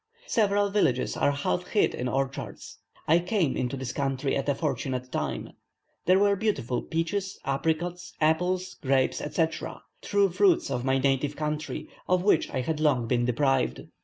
Several villages are half hid in orchards. I came into this country at a fortunate time: there were beautiful peaches, apricots, apples, grapes, etc., true fruits of my native country, of which I had long been deprived.